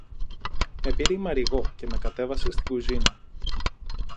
Με πήρε η Μαριγώ και με κατέβασε στην κουζίνα